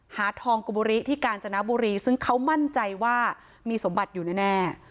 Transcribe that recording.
หาทองกุบุริที่กาญจนบุรีซึ่งเขามั่นใจว่ามีสมบัติอยู่แน่